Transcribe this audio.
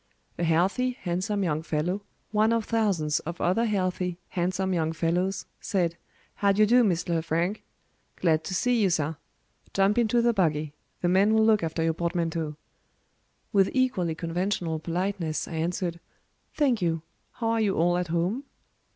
A healthy, handsome young fellow, one of thousands of other healthy, handsome young fellows, said, "How d'ye do, Mr. Lefrank? Glad to see you, sir. Jump into the buggy; the man will look after your portmanteau." With equally conventional politeness I answered, "Thank you. How are you all at home?"